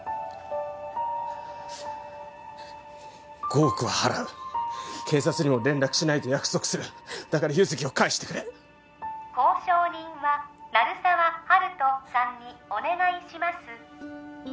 ５億は払う警察にも連絡しないと約束するだから優月を返してくれ交渉人は鳴沢温人さんにお願いします